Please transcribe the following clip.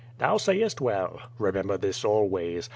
"Thou sayest well. Remember this always.